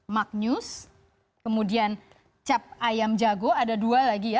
magnus kemudian cap ayam jago ada dua lagi ya